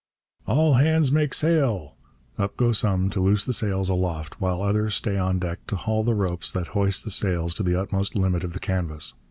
'All hands make sail!' Up go some to loose the sails aloft, while others stay on deck to haul the ropes that hoist the sails to the utmost limit of the canvas.